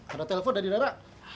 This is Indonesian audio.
ada telepon dari rara